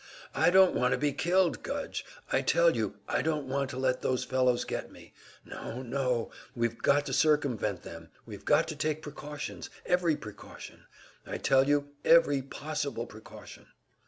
"I don't want to be killed, Gudge; I tell you I don't want to let those fellows get me. No, no; we've got to circumvent them, we've got to take precautions every precaution I tell you every possible precaution."